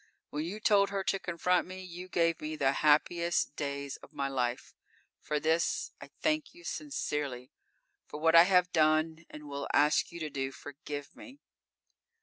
When you told her to confront me, you gave me the happiest days of my life. For this I thank you sincerely. For what I have done and will ask you to do, forgive me!